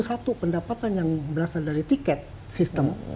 satu pendapatan yang berasal dari tiket sistem